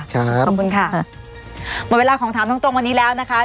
ขอบคุณค่ะหมดเวลาของถามตรงตรงวันนี้แล้วนะคะ